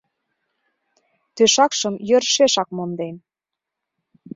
Тӧшакшым йӧршешак монден.